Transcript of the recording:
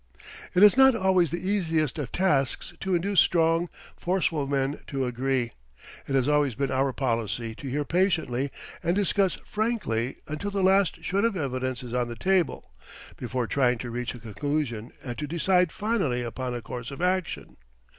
It is not always the easiest of tasks to induce strong, forceful men to agree. It has always been our policy to hear patiently and discuss frankly until the last shred of evidence is on the table, before trying to reach a conclusion and to decide finally upon a course of action.